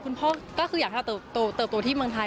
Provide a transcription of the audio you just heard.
คุณพ่อก็คืออยากให้เราเติบโตที่เมืองไทย